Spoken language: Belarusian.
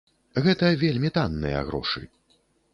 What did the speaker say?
Гэта вельмі танныя грошы.